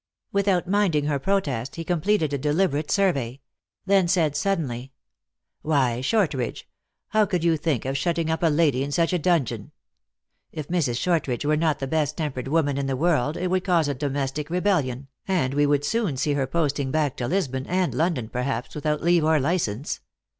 Without minding her protest, he completed a de liberate survey ; then said, suddenly, " Why, Short ridge, how could you think of shutting up a lady in such a dungeon ? If Mrs. Shortridge were not the best tempered woman in the world, it would cause a domestic rebellion, and we would soon see her posting back to Lisbon, and London, perhaps, without leave or license.